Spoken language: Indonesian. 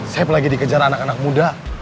saib lagi dikejar anak anak muda